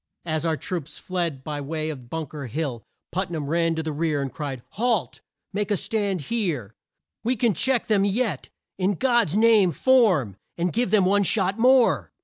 As our troops fled by way of Bunk er Hill, Put nam ran to the rear and cried, "Halt! make a stand here! We can check them yet! In God's name form, and give them one shot more!"